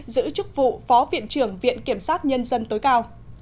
giữ chức vụ phó viện trưởng viện kiểm sát nhân dân tối cao